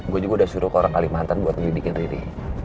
gue juga udah suruh ke orang kalimantan buat ngelidikin diri